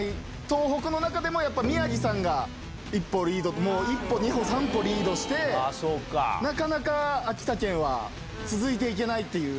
東北の中でも、やっぱ宮城さんが一歩リード、もう一歩、二歩、三歩リードして、なかなか秋田県は続いていけないっていう。